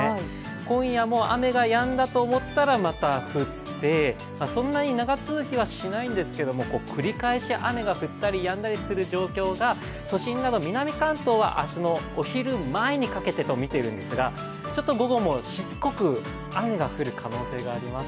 今夜も雨がやんだと思ったら、また降ってそんなに長続きはしないんですけど繰り返し降ったりやんだりする状況が都心など南関東は明日のお昼前にかけてとみているんですが、ちょっと午後もしつこく雨が降る可能性があります。